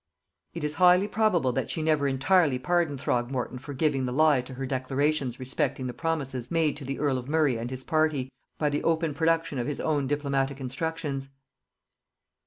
It is highly probable that she never entirely pardoned Throgmorton for giving the lie to her declarations respecting the promises made to the earl of Murray and his party, by the open production of his own diplomatic instructions.